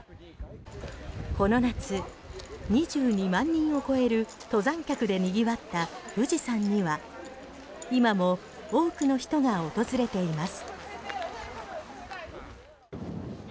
この夏、２２万人を超える登山客で賑わった富士山には今も多くの人が訪れています。